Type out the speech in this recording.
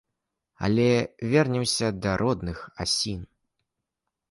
Але вернемся да родных асін.